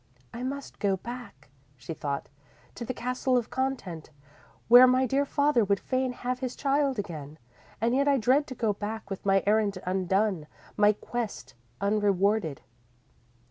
"I must go back," she thought, "to the Castle of Content, where my dear father would fain have his child again. And yet I dread to go back with my errand undone, my quest unrewarded.